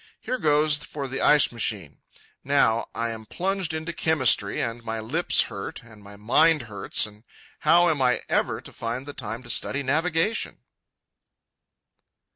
Here goes for the ice machine! Now I am plunged into chemistry, and my lips hurt, and my mind hurts, and how am I ever to find the time to study navigation?